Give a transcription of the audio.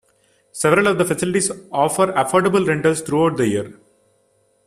Several of the facilities offer affordable rentals throughout the year.